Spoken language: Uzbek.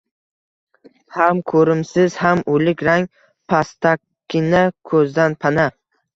Ham ko`rimsiz, ham o`lik rang, pastakkina, ko`zdan pana